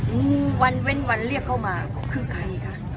งูวันเว้นวันเรียกเขามาคือใครคะ